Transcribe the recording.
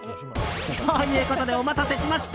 ということで、お待たせしました。